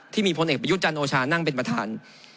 ที่มีพลเอกประยุทธจันโอชานั่งเป็นประธาน